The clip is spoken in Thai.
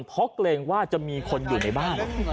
เพราะเกรงว่าจะมีคนอยู่ในบ้าน